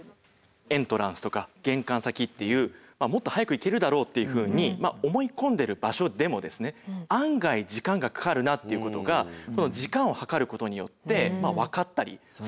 エントランスとか玄関先っていうもっと早く行けるだろうっていうふうに思い込んでる場所でも案外時間がかかるなっていうことが時間を計ることによって分かったりするわけですね。